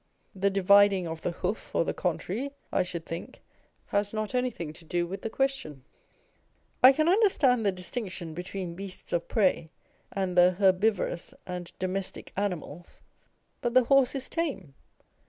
The dividing of the hoof or the contrary, I should think, has not anything to do with the question. I can understand the distinction between beasts of prey and the herbivorous and domestic animals, but the horse is tame.